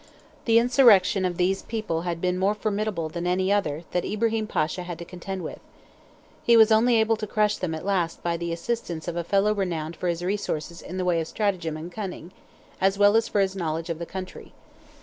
The insurrection of these people had been more formidable than any other that Ibrahim Pasha had to contend with. He was only able to crush them at last by the assistance of a fellow renowned for his resources in the way of stratagem and cunning, as well as for his knowledge of the country.